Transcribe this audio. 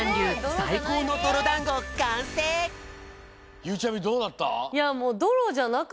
ゆうちゃみどうだった？